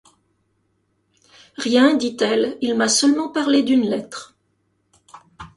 Rien, dit-elle, il m’a seulement parlé d’une lettre...